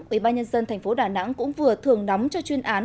ubnd tp đà nẵng cũng vừa thường đóng cho chuyên án